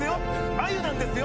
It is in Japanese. あゆなんですよ。